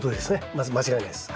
まず間違いないです。